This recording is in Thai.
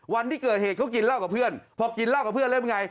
วันที่เกิดเหตุเขากินเหล้ากับเพื่อนพอกินเหล้ากับเพื่อนแล้วเป็นไง